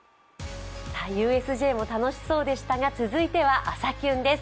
ＵＳＪも楽しそうでしたが続いては「朝キュン」です。